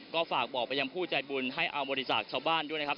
ก็ฝากบอกไปยังผู้ใจบุญให้เอาบริจาคชาวบ้านด้วยนะครับ